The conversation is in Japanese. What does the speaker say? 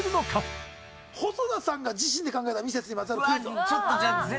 細田さんが自身で考えたミセスにまつわるクイズを。